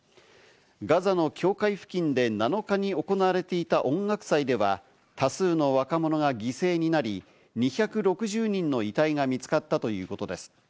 ガザの境界付近で７日に行われていた音楽祭では、多数の若者が犠牲になり、２６０人の遺体が見つかったということです。